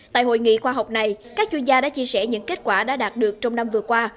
tại hội nghị khoa học này các chuyên gia đã chia sẻ những kết quả đã đạt được trong năm vừa qua